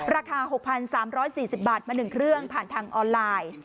ราคา๖๓๔๐บาทมา๑เครื่องผ่านทางออนไลน์